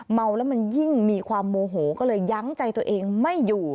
เมาแล้วมันยิ่งมีความโมโหก็เลยยั้งใจตัวเองไม่อยู่